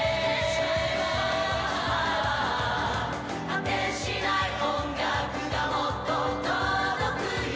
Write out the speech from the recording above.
「果てしない音楽がもっと届くように」